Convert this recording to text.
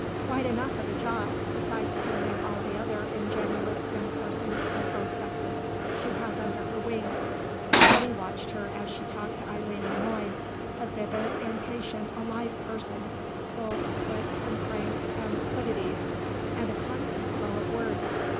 Quite enough of a job, besides tending all the other ingenuous young persons of both sexes she has under her wing." Eddy watched her as she talked to Eileen Le Moine; a vivid, impatient, alive person, full of quips and cranks and quiddities and a constant flow of words.